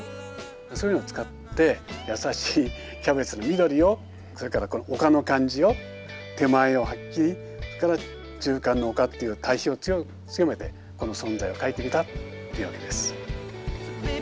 そういうのを使って優しいキャベツの緑をそれからこの丘の感じを手前をはっきりそれから中間の丘っていう対比を強めてこの存在を描いてみたっていうわけです。